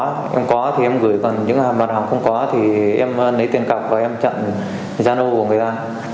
những mặt hàng nào em có thì em gửi còn những mặt hàng không có thì em lấy tiền cọc và em chặn giao đô của người ta